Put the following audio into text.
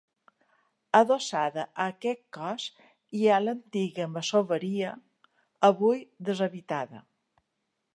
Adossada a aquest cos hi ha l'antiga masoveria, avui deshabitada.